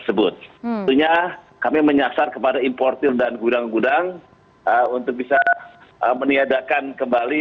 sebetulnya kami menyasar kepada importir dan gudang gudang untuk bisa meniadakan kembali